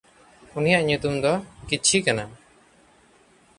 ᱩᱱᱤᱭᱟᱜ ᱧᱩᱛᱩᱢ ᱫᱚ ᱠᱤᱪᱷᱤ ᱠᱟᱱᱟ᱾